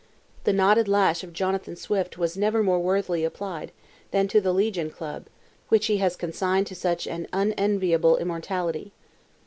The knotted lash of Jonathan Swift was never more worthily applied, than to "the Legion Club," which he has consigned to such an unenviable immortality.